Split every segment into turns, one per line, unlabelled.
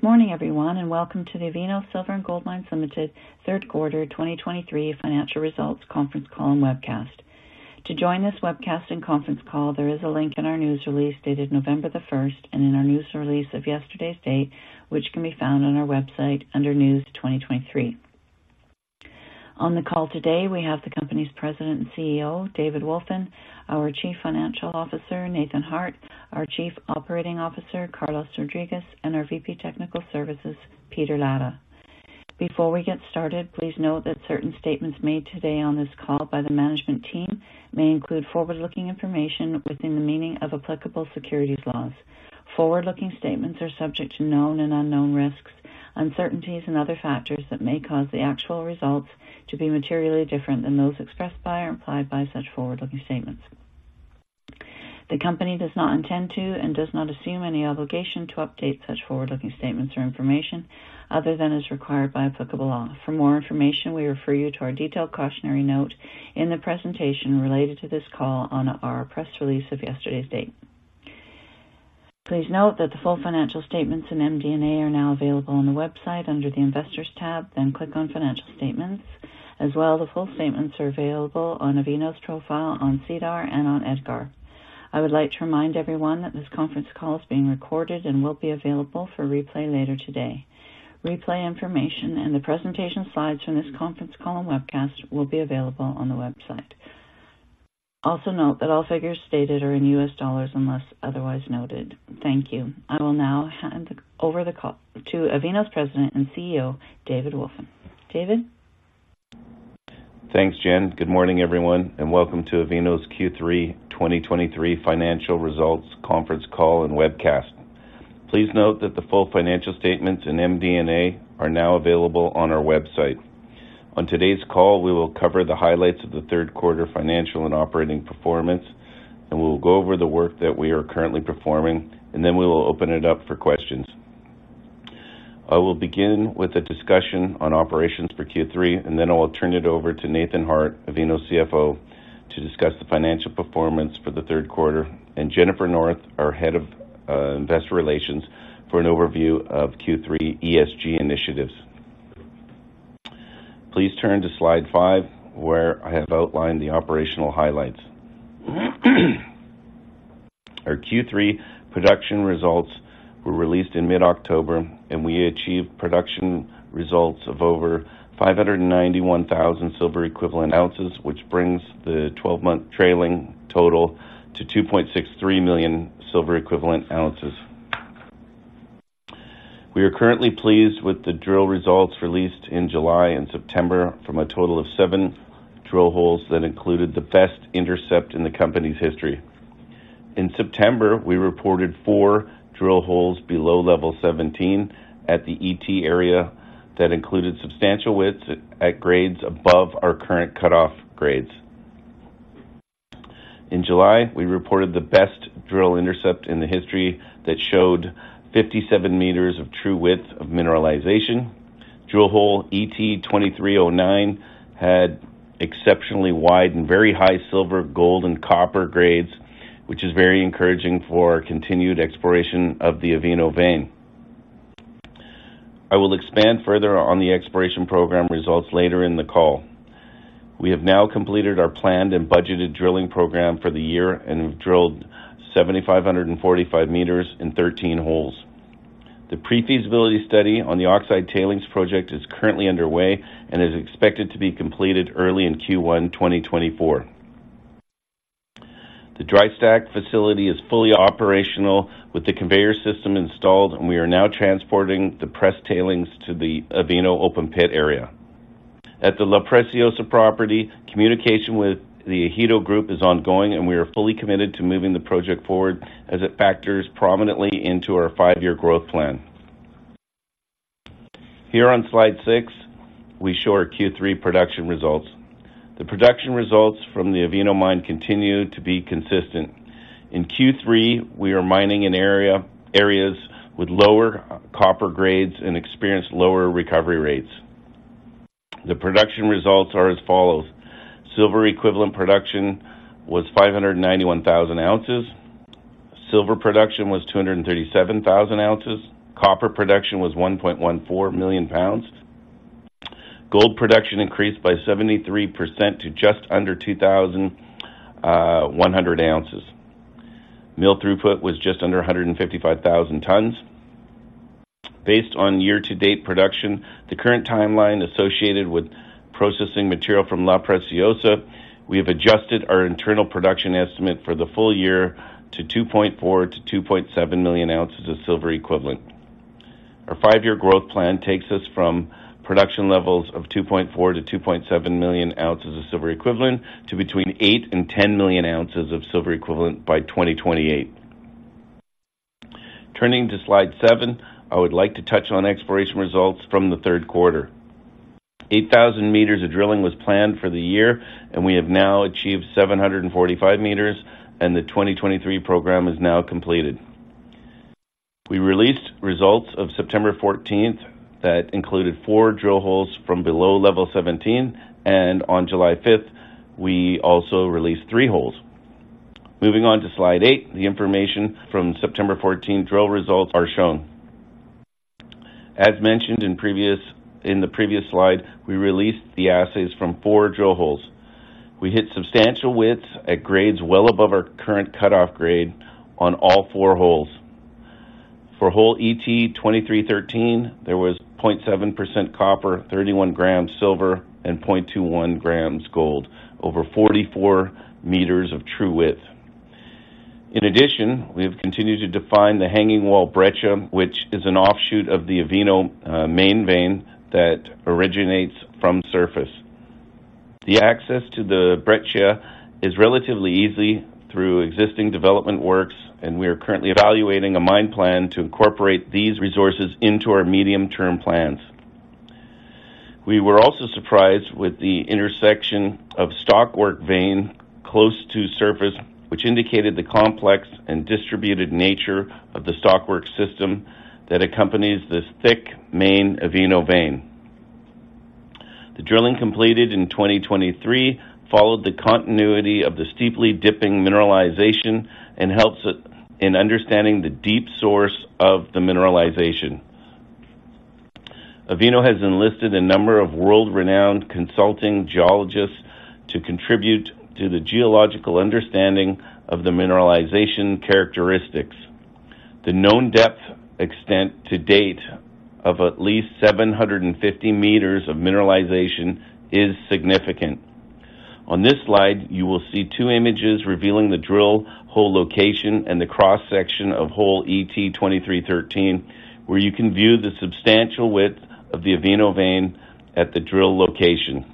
Good morning, everyone, and welcome to the Avino Silver and Gold Mines Limited third quarter 2023 financial results conference call and webcast. To join this webcast and conference call, there is a link in our news release dated November 1st, and in our news release of yesterday's date, which can be found on our website under News 2023. On the call today, we have the company's President and CEO, David Wolfin, our Chief Financial Officer, Nathan Harte, our Chief Operating Officer, Carlos Rodriguez, and our VP Technical Services, Peter Latta. Before we get started, please note that certain statements made today on this call by the management team may include forward-looking information within the meaning of applicable securities laws. Forward-looking statements are subject to known and unknown risks, uncertainties, and other factors that may cause the actual results to be materially different than those expressed by or implied by such forward-looking statements. The company does not intend to and does not assume any obligation to update such forward-looking statements or information other than as required by applicable law. For more information, we refer you to our detailed cautionary note in the presentation related to this call on our press release of yesterday's date. Please note that the full financial statements in MD&A are now available on the website under the Investors tab, then click on Financial Statements. As well, the full statements are available on Avino's profile, on SEDAR, and on EDGAR. I would like to remind everyone that this conference call is being recorded and will be available for replay later today. Replay information and the presentation slides from this conference call and webcast will be available on the website. Also note that all figures stated are in U.S. dollars unless otherwise noted. Thank you. I will now hand over the call to Avino's President and CEO, David Wolfin. David?
Thanks, Jen. Good morning, everyone, and welcome to Avino's Q3 2023 financial results conference call and webcast. Please note that the full financial statements in MD&A are now available on our website. On today's call, we will cover the highlights of the third quarter financial and operating performance, and we will go over the work that we are currently performing, and then we will open it up for questions. I will begin with a discussion on operations for Q3, and then I will turn it over to Nathan Harte, Avino's CFO, to discuss the financial performance for the third quarter, and Jennifer North, our Head of Investor Relations, for an overview of Q3 ESG initiatives. Please turn to slide 5, where I have outlined the operational highlights. Our Q3 production results were released in mid-October, and we achieved production results of over 591,000 silver equivalent ounces, which brings the 12-month trailing total to 2.63 million silver equivalent ounces. We are currently pleased with the drill results released in July and September from a total of 7 drill holes that included the best intercept in the company's history. In September, we reported four drill holes below level 17 at the ET area that included substantial widths at grades above our current cutoff grades. In July, we reported the best drill intercept in the company's history that showed 57 meters of true width of mineralization. Drill hole ET-2309 had exceptionally wide and very high silver, gold, and copper grades, which is very encouraging for continued exploration of the Avino vein. I will expand further on the exploration program results later in the call. We have now completed our planned and budgeted drilling program for the year and we've drilled 7,545 meters in 13 holes. The pre-feasibility study on the Oxide Tailings Project is currently underway and is expected to be completed early in Q1 2024. The dry stack facility is fully operational with the conveyor system installed, and we are now transporting the press tailings to the Avino open pit area. At the La Preciosa property, communication with the Ejido Group is ongoing, and we are fully committed to moving the project forward as it factors prominently into our five-year growth plan. Here on slide 6, we show our Q3 production results. The production results from the Avino Mine continue to be consistent. In Q3, we are mining in areas with lower copper grades and experienced lower recovery rates. The production results are as follows: Silver equivalent production was 591,000 ounces. Silver production was 237,000 ounces. Copper production was 1.14 million pounds. Gold production increased by 73% to just under 2,100 ounces. Mill throughput was just under 155,000 tons. Based on year-to-date production, the current timeline associated with processing material from La Preciosa, we have adjusted our internal production estimate for the full year to 2.4-2.7 million ounces of silver equivalent. Our five-year growth plan takes us from production levels of 2.4-2.7 million ounces of silver equivalent to between 8-10 million ounces of silver equivalent by 2028. Turning to slide 7, I would like to touch on exploration results from the third quarter. 8,000 meters of drilling was planned for the year, and we have now achieved 745 meters, and the 2023 program is now completed. We released results of September 14 that included four drill holes from below level 17, and on July 5th, we also released three holes. Moving on to slide 8, the information from September 14 drill results are shown. As mentioned in the previous slide, we released the assays from four drill holes. We hit substantial widths at grades well above our current cutoff grade on all four holes. For hole ET2313, there was 0.7% copper, 31 grams silver, and 0.21 grams gold, over 44 meters of true width. In addition, we have continued to define the hanging wall breccia, which is an offshoot of the Avino main vein that originates from surface. The access to the breccia is relatively easy through existing development works, and we are currently evaluating a mine plan to incorporate these resources into our medium-term plans. We were also surprised with the intersection of stockwork vein close to surface, which indicated the complex and distributed nature of the stockwork system that accompanies this thick main Avino vein. The drilling completed in 2023 followed the continuity of the steeply dipping mineralization and helps us in understanding the deep source of the mineralization. Avino has enlisted a number of world-renowned consulting geologists to contribute to the geological understanding of the mineralization characteristics. The known depth extent to date of at least 750 meters of mineralization is significant. On this slide, you will see two images revealing the drill hole location and the cross-section of hole ET2313, where you can view the substantial width of the Avino vein at the drill location.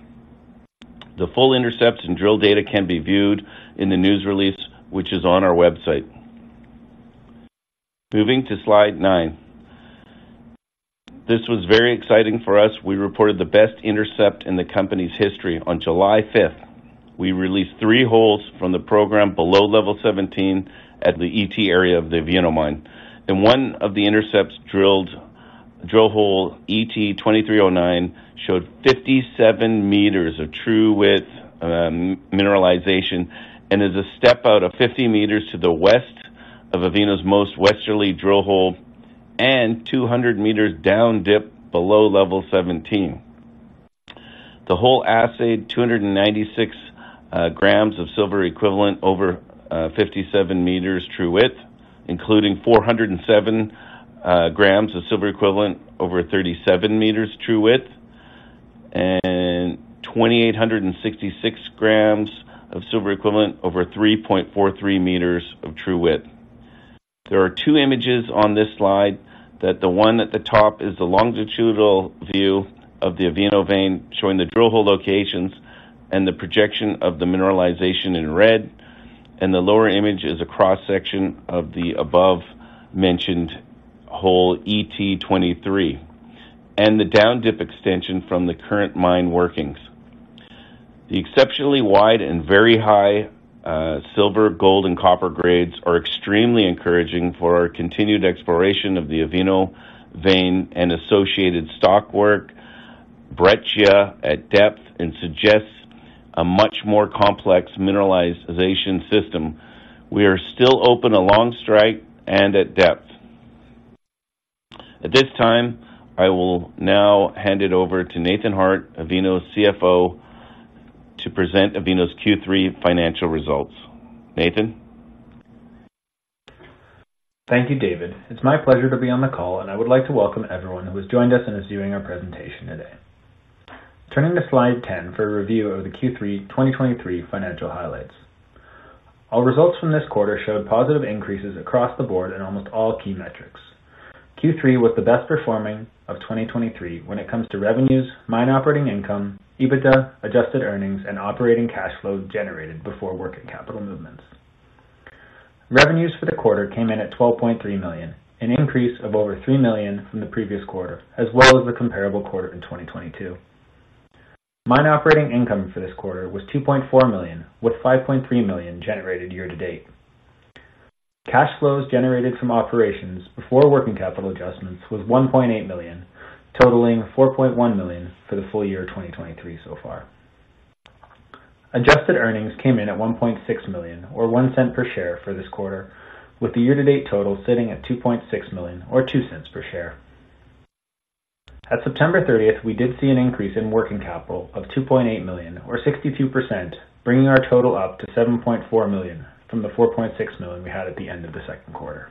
The full intercepts and drill data can be viewed in the news release, which is on our website. Moving to slide 9. This was very exciting for us. We reported the best intercept in the company's history. On July 5th, we released three holes from the program below level 17 at the ET area of the Avino Mine. In one of the intercepts drilled, drill hole ET2309 showed 57 meters of true width, mineralization, and is a step out of 50 meters to the west of Avino's most westerly drill hole and 200 meters down dip below level 17. The hole assayed 296 grams of silver equivalent over 57 meters true width, including 407 grams of silver equivalent over 37 meters true width, and 2,866 grams of silver equivalent over 3.43 meters of true width. There are two images on this slide. That, the one at the top, is the longitudinal view of the Avino vein, showing the drill hole locations and the projection of the mineralization in red. The lower image is a cross-section of the above-mentioned hole, ET23, and the down dip extension from the current mine workings. The exceptionally wide and very high silver, gold, and copper grades are extremely encouraging for our continued exploration of the Avino vein and associated stockwork, breccia at depth, and suggests a much more complex mineralization system. We are still open along strike and at depth. At this time, I will now hand it over to Nathan Harte, Avino's CFO, to present Avino's Q3 financial results. Nathan?
Thank you, David. It's my pleasure to be on the call, and I would like to welcome everyone who has joined us and is viewing our presentation today. Turning to slide 10 for a review of the Q3 2023 financial highlights. Our results from this quarter showed positive increases across the board in almost all key metrics. Q3 was the best performing of 2023 when it comes to revenues, mine operating income, EBITDA, adjusted earnings, and operating cash flow generated before working capital movements. Revenues for the quarter came in at $12.3 million, an increase of over $3 million from the previous quarter, as well as the comparable quarter in 2022. Mine operating income for this quarter was $2.4 million, with $5.3 million generated year to date. Cash flows generated from operations before working capital adjustments was $1.8 million, totaling $4.1 million for the full year 2023 so far. Adjusted earnings came in at $1.6 million, or $0.01 per share for this quarter, with the year-to-date total sitting at $2.6 million, or $0.02 per share. At September 30th, we did see an increase in working capital of $2.8 million, or 62%, bringing our total up to $7.4 million from the $4.6 million we had at the end of the second quarter.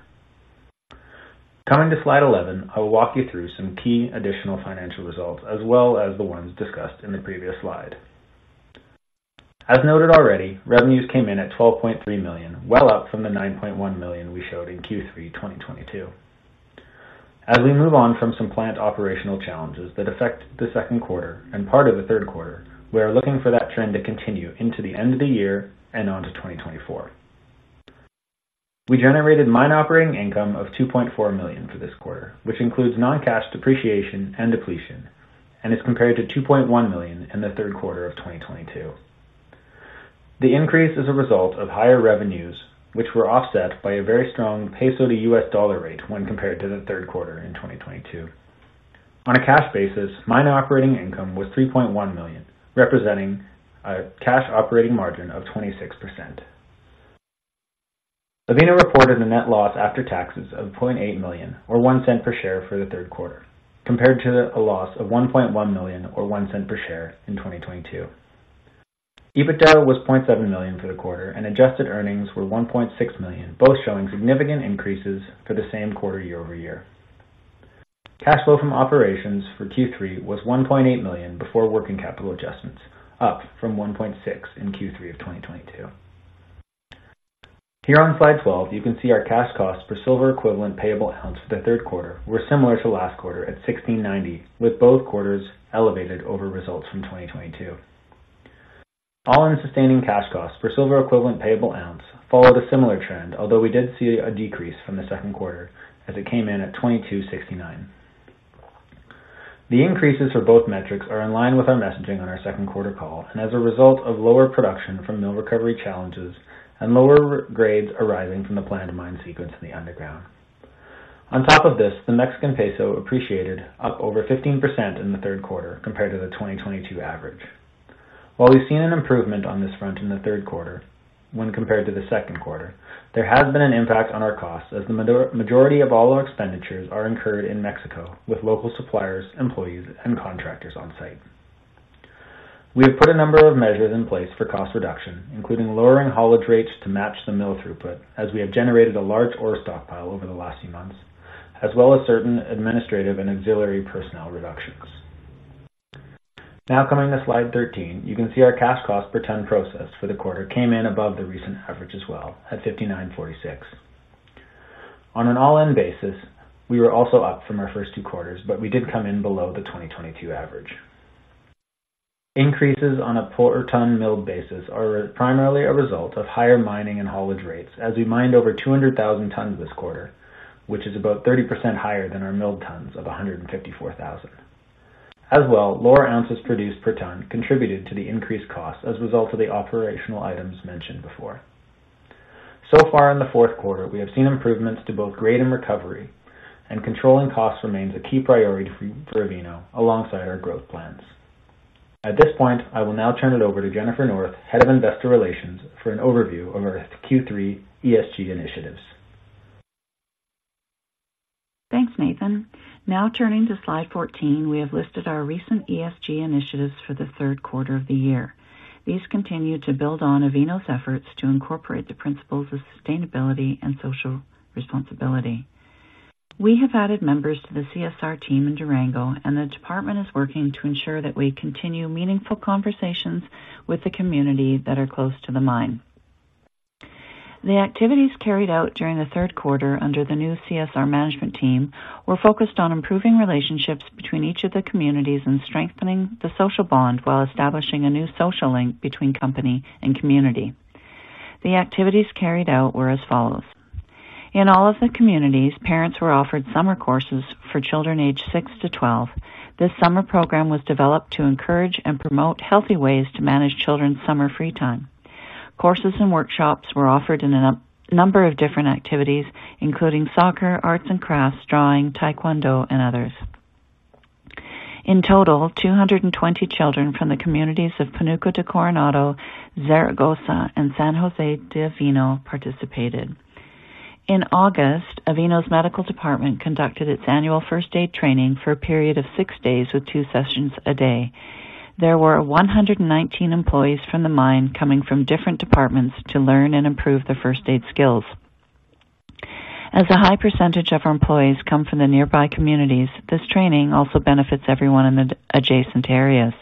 Coming to slide 11, I will walk you through some key additional financial results, as well as the ones discussed in the previous slide. As noted already, revenues came in at $12.3 million, well up from the $9.1 million we showed in Q3 2022. As we move on from some plant operational challenges that affect the second quarter and part of the third quarter, we are looking for that trend to continue into the end of the year and onto 2024. We generated mine operating income of $2.4 million for this quarter, which includes non-cash depreciation and depletion, and is compared to $2.1 million in the third quarter of 2022. The increase is a result of higher revenues, which were offset by a very strong peso to U.S. dollar rate when compared to the third quarter in 2022. On a cash basis, mine operating income was $3.1 million, representing a cash operating margin of 26%. Avino reported a net loss after taxes of $0.8 million, or $0.01 per share for the third quarter, compared to a loss of $1.1 million or $0.01 per share in 2022. EBITDA was $0.7 million for the quarter, and adjusted earnings were $1.6 million, both showing significant increases for the same quarter year-over-year. Cash flow from operations for Q3 was $1.8 million before working capital adjustments, up from $1.6 million in Q3 of 2022. Here on slide 12, you can see our cash costs per silver equivalent payable ounce for the third quarter were similar to last quarter at $16.90, with both quarters elevated over results from 2022. All-in sustaining cash costs for silver equivalent payable ounce followed a similar trend, although we did see a decrease from the second quarter as it came in at $22.69. The increases for both metrics are in line with our messaging on our second quarter call, and as a result of lower production from mill recovery challenges and lower grades arriving from the planned mine sequence in the underground. On top of this, the Mexican peso appreciated up over 15% in the third quarter compared to the 2022 average. While we've seen an improvement on this front in the third quarter when compared to the second quarter, there has been an impact on our costs as the majority of all our expenditures are incurred in Mexico with local suppliers, employees, and contractors on site. We have put a number of measures in place for cost reduction, including lowering haulage rates to match the mill throughput as we have generated a large ore stockpile over the last few months, as well as certain administrative and auxiliary personnel reductions. Now, coming to slide 13, you can see our cash cost per ton processed for the quarter came in above the recent average as well, at $59.46. On an all-in basis, we were also up from our first two quarters, but we did come in below the 2022 average. Increases on a per ton milled basis are primarily a result of higher mining and haulage rates as we mined over 200,000 tons this quarter, which is about 30% higher than our milled tons of 154,000 As well, lower ounces produced per ton contributed to the increased costs as a result of the operational items mentioned before. So far in the fourth quarter, we have seen improvements to both grade and recovery, and controlling costs remains a key priority for Avino alongside our growth plans. At this point, I will now turn it over to Jennifer North, Head of Investor Relations, for an overview of our Q3 ESG initiatives.
Thanks, Nathan. Now turning to slide 14, we have listed our recent ESG initiatives for the third quarter of the year. These continue to build on Avino's efforts to incorporate the principles of sustainability and social responsibility. We have added members to the CSR team in Durango, and the department is working to ensure that we continue meaningful conversations with the community that are close to the mine. The activities carried out during the third quarter under the new CSR management team were focused on improving relationships between each of the communities and strengthening the social bond while establishing a new social link between company and community. The activities carried out were as follows: In all of the communities, parents were offered summer courses for children aged six to 12. This summer program was developed to encourage and promote healthy ways to manage children's summer free time. Courses and workshops were offered in a number of different activities, including soccer, arts and crafts, drawing, taekwondo, and others. In total, 220 children from the communities of Pánuco de Coronado, Zaragoza, and San José de Avino participated. In August, Avino's medical department conducted its annual first aid training for a period of six days, with two sessions a day. There were 119 employees from the mine coming from different departments to learn and improve their first aid skills. As a high percentage of our employees come from the nearby communities, this training also benefits everyone in the adjacent areas.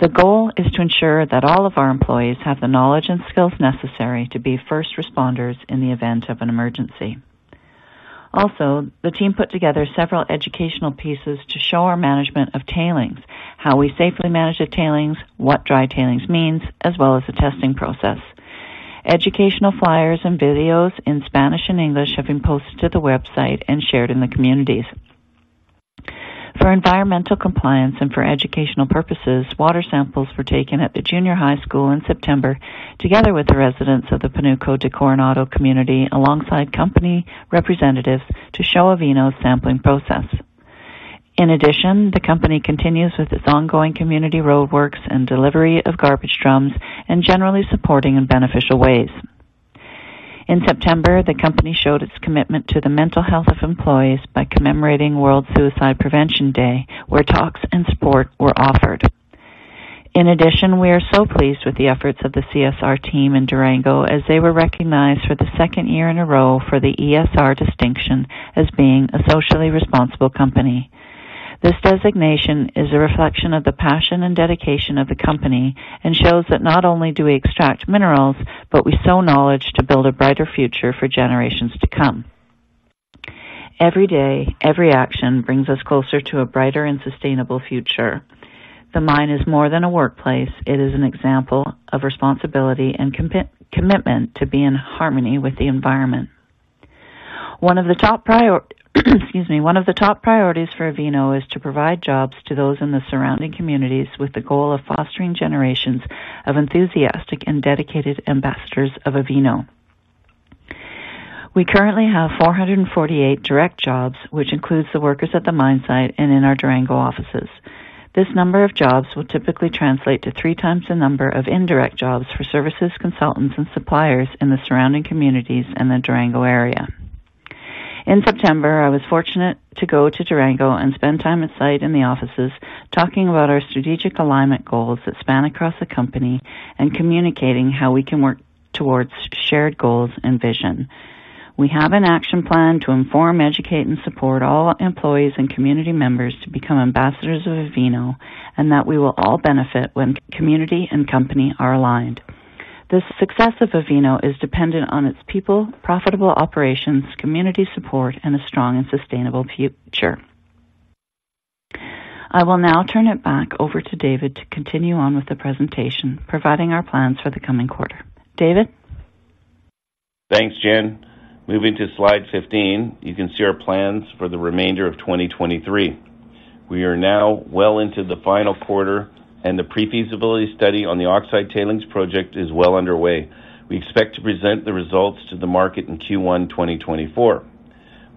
The goal is to ensure that all of our employees have the knowledge and skills necessary to be first responders in the event of an emergency. Also, the team put together several educational pieces to show our management of tailings, how we safely manage the tailings, what dry tailings means, as well as the testing process. Educational flyers and videos in Spanish and English have been posted to the website and shared in the communities. For environmental compliance and for educational purposes, water samples were taken at the junior high school in September, together with the residents of the Pánuco de Coronado community, alongside company representatives, to show Avino's sampling process. In addition, the company continues with its ongoing community roadworks and delivery of garbage drums and generally supporting in beneficial ways. In September, the company showed its commitment to the mental health of employees by commemorating World Suicide Prevention Day, where talks and support were offered. In addition, we are so pleased with the efforts of the CSR team in Durango, as they were recognized for the second year in a row for the ESR distinction as being a socially responsible company. This designation is a reflection of the passion and dedication of the company and shows that not only do we extract minerals, but we sow knowledge to build a brighter future for generations to come. Every day, every action brings us closer to a brighter and sustainable future. The mine is more than a workplace, it is an example of responsibility and commitment to be in harmony with the environment. Excuse me. One of the top priorities for Avino is to provide jobs to those in the surrounding communities with the goal of fostering generations of enthusiastic and dedicated ambassadors of Avino. We currently have 448 direct jobs, which includes the workers at the mine site and in our Durango offices. This number of jobs will typically translate to three times the number of indirect jobs for services, consultants, and suppliers in the surrounding communities in the Durango area. In September, I was fortunate to go to Durango and spend time at site in the offices talking about our strategic alignment goals that span across the company, and communicating how we can work towards shared goals and vision. We have an action plan to inform, educate, and support all employees and community members to become ambassadors of Avino, and that we will all benefit when community and company are aligned. The success of Avino is dependent on its people, profitable operations, community support, and a strong and sustainable future. I will now turn it back over to David to continue on with the presentation, providing our plans for the coming quarter. David?
Thanks, Jen. Moving to slide 15, you can see our plans for the remainder of 2023. We are now well into the final quarter, and the pre-feasibility study on the Oxide Tailings Project is well underway. We expect to present the results to the market in Q1, 2024.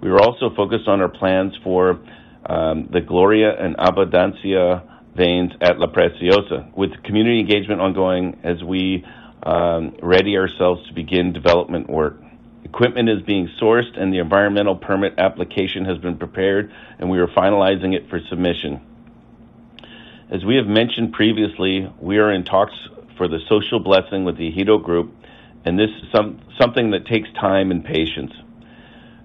We are also focused on our plans for the Gloria and Abundancia veins at La Preciosa, with community engagement ongoing as we ready ourselves to begin development work. Equipment is being sourced and the environmental permit application has been prepared, and we are finalizing it for submission. As we have mentioned previously, we are in talks for the social blessing with the Ejido Group, and this is something that takes time and patience.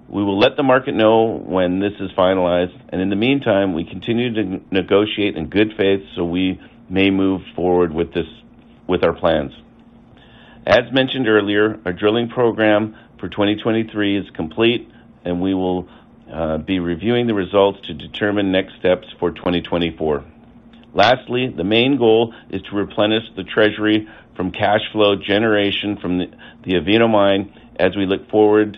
We will let the market know when this is finalized, and in the meantime, we continue to negotiate in good faith so we may move forward with this, with our plans. As mentioned earlier, our drilling program for 2023 is complete, and we will be reviewing the results to determine next steps for 2024. Lastly, the main goal is to replenish the treasury from cash flow generation from the Avino Mine as we look forward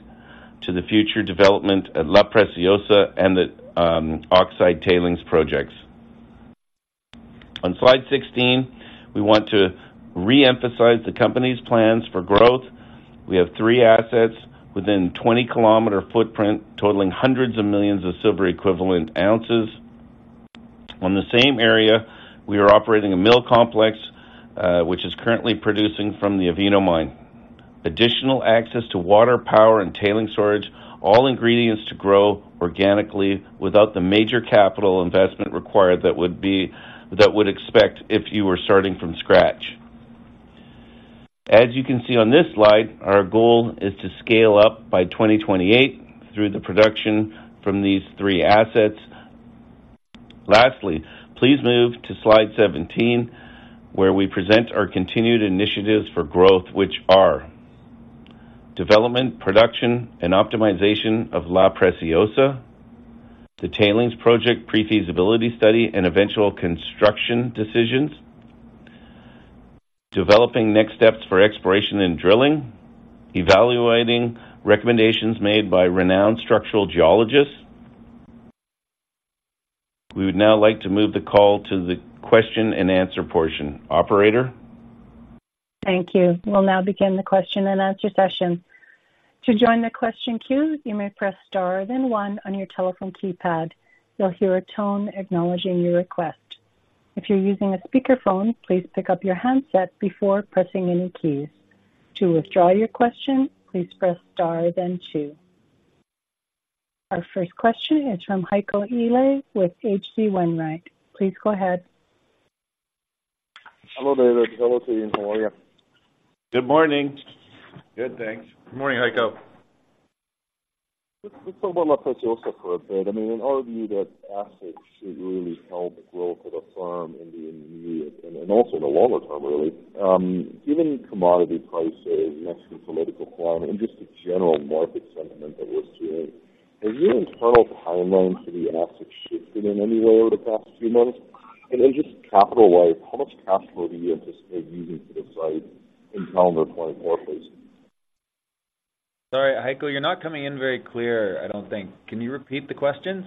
to the future development at La Preciosa and the Oxide Tailings projects. On slide 16, we want to reemphasize the company's plans for growth. We have three assets within 20 km footprint, totaling hundreds of millions of silver equivalent ounces. On the same area, we are operating a mill complex, which is currently producing from the Avino Mine. Additional access to water, power, and tailings storage, all ingredients to grow organically without the major capital investment required that would be expected if you were starting from scratch. As you can see on this slide, our goal is to scale up by 2028 through the production from these three assets. Lastly, please move to slide 17, where we present our continued initiatives for growth, which are: development, production, and optimization of La Preciosa, the tailings project pre-feasibility study, and eventual construction decisions, developing next steps for exploration and drilling, evaluating recommendations made by renowned structural geologists. We would now like to move the call to the question-and-answer portion. Operator?
Thank you. We'll now begin the question-and-answer session. To join the question queue, you may press star then one on your telephone keypad. You'll hear a tone acknowledging your request. If you're using a speakerphone, please pick up your handset before pressing any keys. To withdraw your question, please press star then two. Our first question is from Heiko Ihle with H.C. Wainwright. Please go ahead.
Hello, David. Hello to you. How are you?
Good morning. Good, thanks.
Good morning, Heiko.
Let's talk about La Preciosa for a bit. I mean, in our view, that asset should really help growth of the firm in the intermediate and also in the longer term, really. Given commodity prices, Mexican political climate, and just the general market sentiment that we're seeing, has your internal timeline for the asset shifted in any way over the past few months? And then, just capital-wise, how much cash flow do you anticipate using for the site in calendar 2024, please?
Sorry, Heiko, you're not coming in very clear, I don't think. Can you repeat the questions?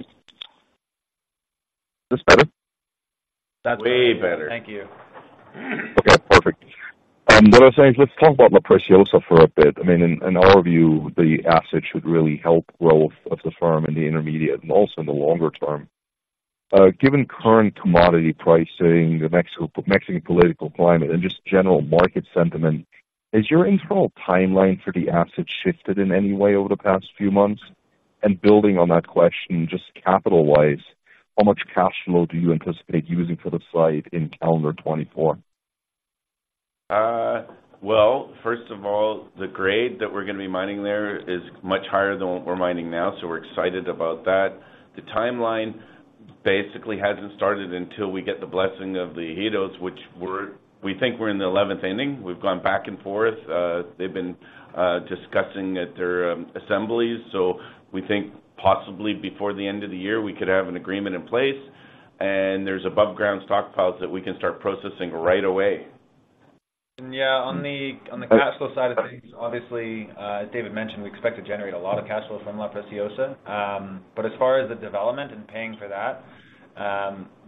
Is this better?
That's way better. Thank you.
Okay, perfect. What I was saying is, let's talk about La Preciosa for a bit. I mean, in our view, the asset should really help growth of the firm in the intermediate and also in the longer term. Given current commodity pricing, the Mexican political climate and just general market sentiment, has your internal timeline for the asset shifted in any way over the past few months? And building on that question, just capital-wise, how much cash flow do you anticipate using for the site in calendar 2024?
Well, first of all, the grade that we're gonna be mining there is much higher than what we're mining now, so we're excited about that. The timeline basically hasn't started until we get the blessing of the Ejidos, which we think we're in the eleventh inning. We've gone back and forth. They've been discussing at their assemblies, so we think possibly before the end of the year, we could have an agreement in place, and there's aboveground stockpiles that we can start processing right away.
And, yeah, on the cash flow side of things, obviously, as David mentioned, we expect to generate a lot of cash flow from La Preciosa. But as far as the development and paying for that,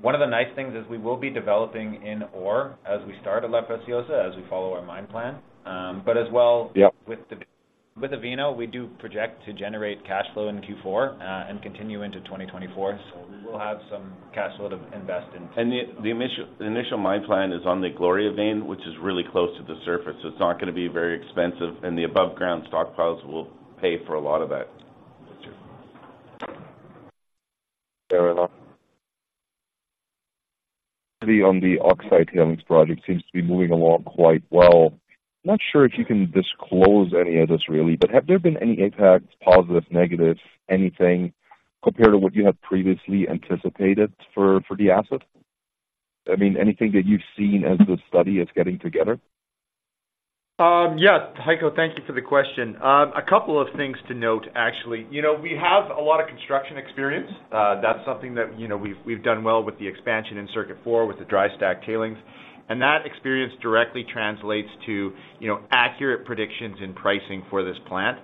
one of the nice things is we will be developing in ore as we start at La Preciosa, as we follow our mine plan. But as well-
Yep.
With the-
With Avino, we do project to generate cash flow in Q4, and continue into 2024. So we will have some cash flow to invest in.
The initial mine plan is on the Gloria vein, which is really close to the surface, so it's not going to be very expensive, and the above ground stockpiles will pay for a lot of that.
Fair enough. Then on the Oxide Tailings Project seems to be moving along quite well. Not sure if you can disclose any of this, really, but have there been any impacts, positive, negative, anything, compared to what you had previously anticipated for the asset? I mean, anything that you've seen as the study is getting together?
Yeah, Heiko, thank you for the question. A couple of things to note, actually. You know, we have a lot of construction experience. That's something that, you know, we've, we've done well with the expansion in circuit four, with the dry stack tailings. And that experience directly translates to, you know, accurate predictions in pricing for this plant.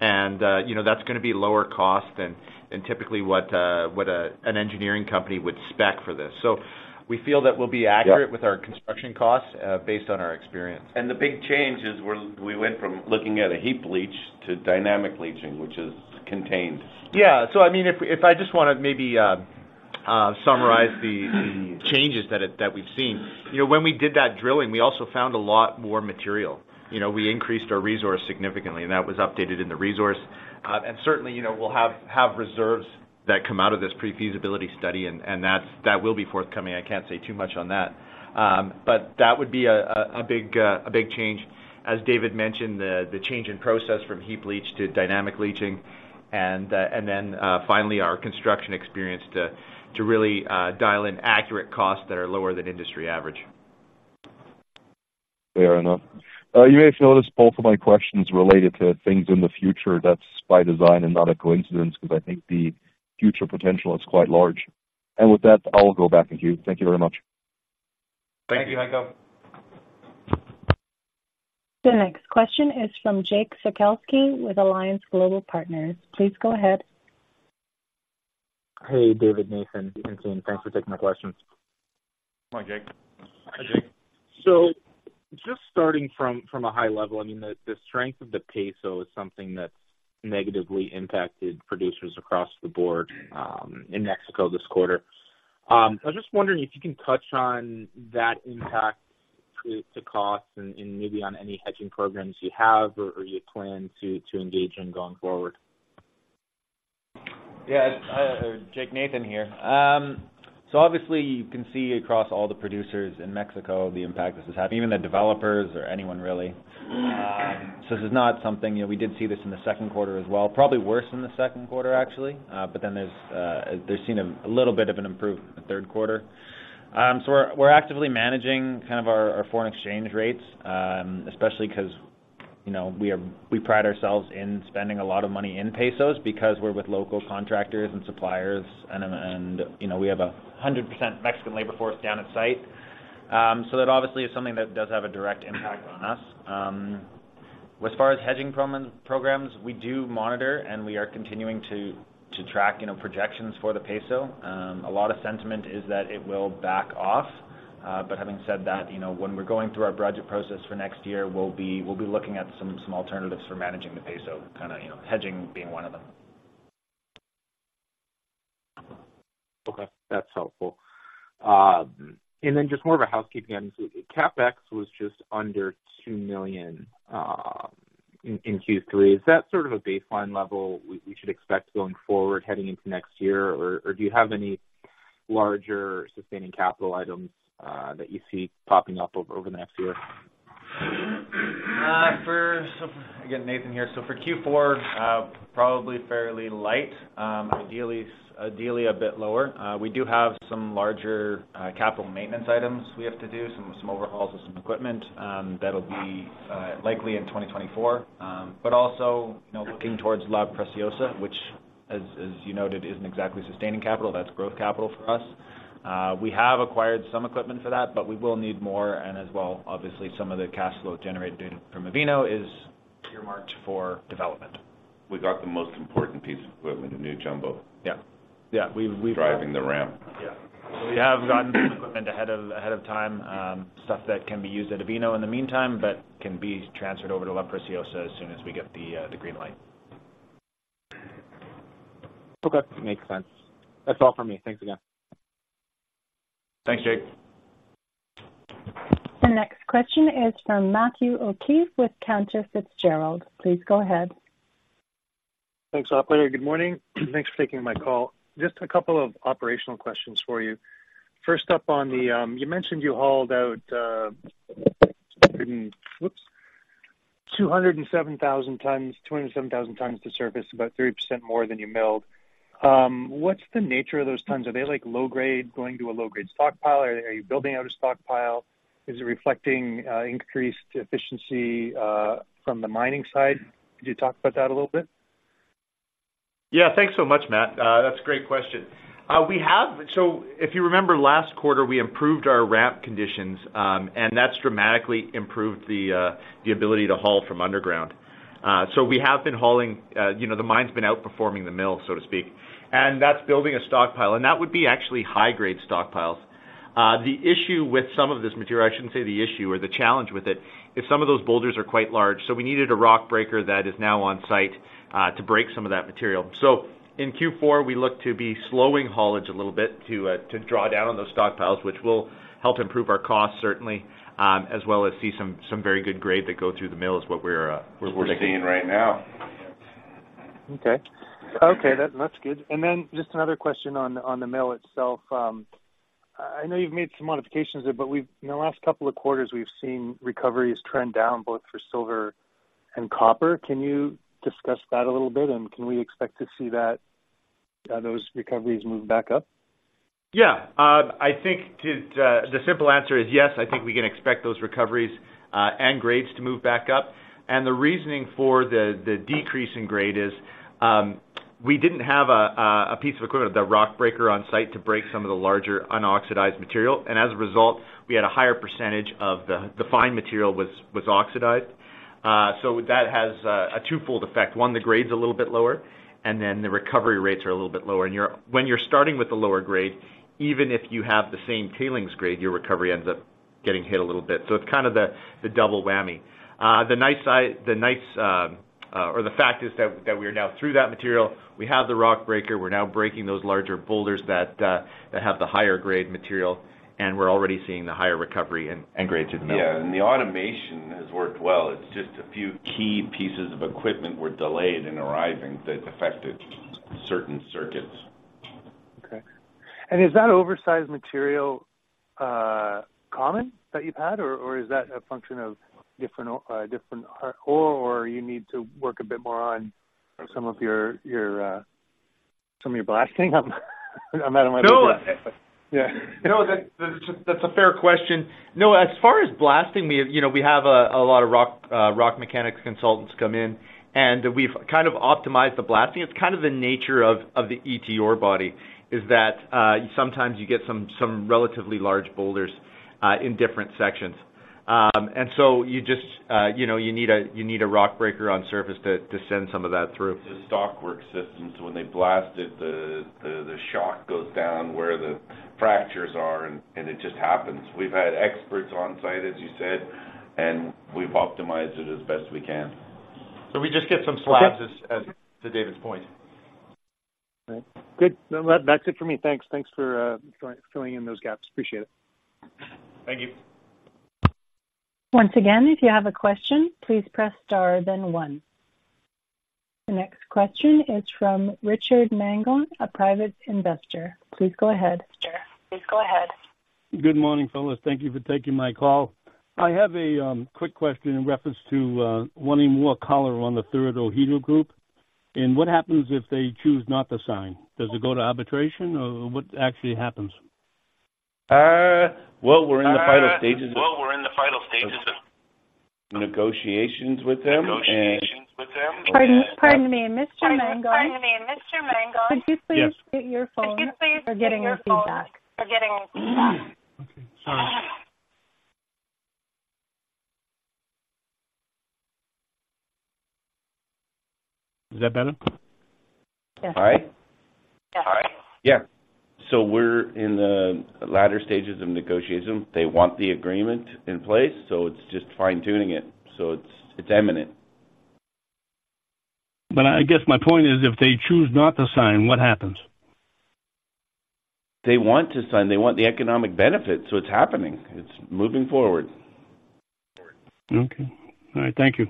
And, you know, that's going to be lower cost than, than typically what, what a, an engineering company would spec for this. So we feel that we'll be accurate-
Yeah....
with our construction costs, based on our experience.
The big change is we went from looking at a heap leach to dynamic leaching, which is contained.
Yeah. So I mean, if I just want to maybe summarize the changes that we've seen. You know, when we did that drilling, we also found a lot more material. You know, we increased our resource significantly, and that was updated in the resource. And certainly, you know, we'll have reserves that come out of this pre-feasibility study, and that will be forthcoming. I can't say too much on that. But that would be a big change. As David mentioned, the change in process from heap leach to dynamic leaching, and finally, our construction experience to really dial in accurate costs that are lower than industry average.
Fair enough. You may have noticed both of my questions related to things in the future. That's by design and not a coincidence, because I think the future potential is quite large. With that, I'll go back to you. Thank you very much.
Thank you, Heiko.
The next question is from Jake Sekelsky with Alliance Global Partners. Please go ahead.
Hey, David, Nathan and team, thanks for taking my questions.
Hi, Jake.
Hi, Jake.
So just starting from a high level, I mean, the strength of the peso is something that's negatively impacted producers across the board in Mexico this quarter. I was just wondering if you can touch on that impact to cost and maybe on any hedging programs you have or you plan to engage in going forward.
Yeah, Jake, Nathan here. So obviously, you can see across all the producers in Mexico the impact this is having, even the developers or anyone, really. So this is not something, you know, we did see this in the second quarter as well, probably worse than the second quarter, actually. But then there's been a little bit of an improvement in the third quarter. So we're actively managing kind of our foreign exchange rates, especially 'cause, you know, we are, we pride ourselves in spending a lot of money in pesos because we're with local contractors and suppliers, and, you know, we have 100% Mexican labor force down at site. So that obviously is something that does have a direct impact on us. As far as hedging programs, we do monitor, and we are continuing to track, you know, projections for the peso. A lot of sentiment is that it will back off. But having said that, you know, when we're going through our budget process for next year, we'll be looking at some alternatives for managing the peso, kind of, you know, hedging being one of them.
Okay, that's helpful. And then just more of a housekeeping item. CapEx was just under $2 million in Q3. Is that sort of a baseline level we should expect going forward heading into next year? Or do you have any larger sustaining capital items that you see popping up over the next year?
Again, Nathan here. So for Q4, probably fairly light. Ideally, ideally a bit lower. We do have some larger, capital maintenance items we have to do, some overhauls of some equipment, that'll be likely in 2024. But also, you know, looking towards La Preciosa, which as you noted, isn't exactly sustaining capital. That's growth capital for us. We have acquired some equipment for that, but we will need more, and as well, obviously, some of the cash flow generated from Avino is earmarked for development.
We got the most important piece of equipment, a new jumbo.
Yeah. Yeah, we've-
Driving the ramp.
Yeah. We have gotten equipment ahead of time, stuff that can be used at Avino in the meantime, but can be transferred over to La Preciosa as soon as we get the green light.
Okay, makes sense. That's all for me. Thanks again.
Thanks, Jake.
The next question is from Matthew O'Keefe with Cantor Fitzgerald. Please go ahead.
Thanks, operator. Good morning. Thanks for taking my call. Just a couple of operational questions for you. First up, on the you mentioned you hauled out, 207,000 tons, 207,000 tons to surface, about 30% more than you milled. What's the nature of those tons? Are they, like, low grade, going to a low-grade stockpile? Or are you building out a stockpile? Is it reflecting increased efficiency from the mining side? Could you talk about that a little bit?
Yeah, thanks so much, Matt. That's a great question. We have— So if you remember last quarter, we improved our ramp conditions, and that's dramatically improved the ability to haul from underground. So we have been hauling, you know, the mine's been outperforming the mill, so to speak, and that's building a stockpile, and that would be actually high-grade stockpiles. The issue with some of this material, I shouldn't say the issue or the challenge with it, is some of those boulders are quite large, so we needed a rock breaker that is now on site, to break some of that material. So in Q4, we look to be slowing haulage a little bit to draw down on those stockpiles, which will help improve our costs, certainly, as well as see some very good grade that go through the mill is what we're-
What we're seeing right now.
Okay. Okay, that's good. And then just another question on the mill itself. I know you've made some modifications there, but we've... In the last couple of quarters, we've seen recoveries trend down, both for silver and copper. Can you discuss that a little bit, and can we expect to see that, those recoveries move back up?
Yeah. I think the simple answer is yes, I think we can expect those recoveries and grades to move back up. And the reasoning for the decrease in grade is, we didn't have a piece of equipment, the rock breaker on site, to break some of the larger unoxidized material, and as a result, we had a higher percentage of the fine material was oxidized. So that has a twofold effect: one, the grade's a little bit lower, and then the recovery rates are a little bit lower. And when you're starting with a lower grade, even if you have the same tailings grade, your recovery ends up getting hit a little bit. So it's kind of the double whammy. The nice side or the fact is that we are now through that material. We have the rock breaker. We're now breaking those larger boulders that have the higher grade material, and we're already seeing the higher recovery and grade to the mill.
Yeah, and the automation has worked well. It's just a few key pieces of equipment were delayed in arriving that affected certain circuits.
Okay. And is that oversized material common that you've had, or is that a function of different ore, or you need to work a bit more on some of your blasting? I'm out of my depth.
No.
Yeah.
No, that's a fair question. No, as far as blasting, we, you know, we have a lot of rock mechanics consultants come in, and we've kind of optimized the blasting. It's kind of the nature of the ET ore body, is that sometimes you get some relatively large boulders in different sections. And so you just, you know, you need a rock breaker on surface to send some of that through.
The stockwork systems, when they blast it, the shock goes down where the fractures are, and it just happens. We've had experts on site, as you said, and we've optimized it as best we can.
We just get some slabs.
Okay.
As to David's point.
All right. Good. Well, that's it for me. Thanks. Thanks for filling in those gaps. Appreciate it.
Thank you.
Once again, if you have a question, please press Star, then One. The next question is from Richard Mangon, a private investor. Please go ahead. Please go ahead.
Good morning, fellas. Thank you for taking my call. I have a quick question in reference to wanting more color on the third Ejido Group, and what happens if they choose not to sign? Does it go to arbitration, or what actually happens?
Well, we're in the final stages of negotiations with them and-
Pardon, pardon me, Mr. Mangon. Pardon me, Mr. Mangon.
Yes.
Could you please mute your phone? We're getting a feedback.
Okay, sorry. Is that better?
Yes.
All right?
Yes.
All right. Yeah. So we're in the latter stages of negotiation. They want the agreement in place, so it's just fine-tuning it. So it's, it's imminent.
But I guess my point is, if they choose not to sign, what happens?
They want to sign. They want the economic benefits, so it's happening. It's moving forward.
Okay. All right, thank you.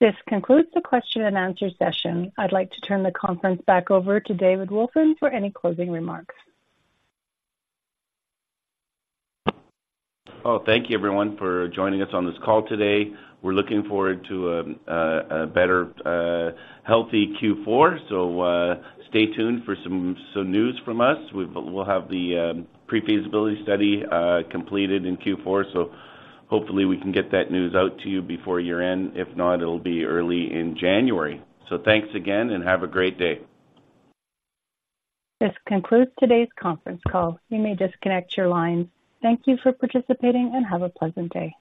This concludes the question and answer session. I'd like to turn the conference back over to David Wolfin for any closing remarks.
Oh, thank you, everyone, for joining us on this call today. We're looking forward to a better, healthy Q4, so stay tuned for some news from us. We'll have the pre-feasibility study completed in Q4, so hopefully we can get that news out to you before year-end. If not, it'll be early in January. So thanks again and have a great day.
This concludes today's conference call. You may disconnect your lines. Thank you for participating, and have a pleasant day.